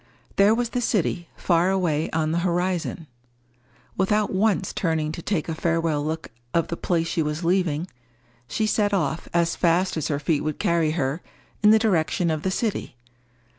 There was the city far away on the horizon. Without once turning to take a farewell look of the place she was leaving, she set off, as fast as her feet would carry her, in the direction of the city.